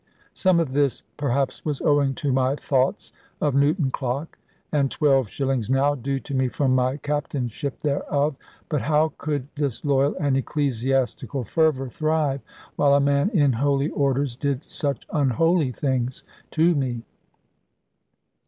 Some of this perhaps was owing to my thoughts of Newton clock, and twelve shillings now due to me from my captainship thereof: but how could this loyal and ecclesiastical fervour thrive, while a man in holy orders did such unholy things to me?